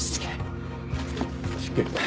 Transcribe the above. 失敬。